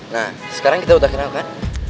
nah sekarang kita udah kenal kan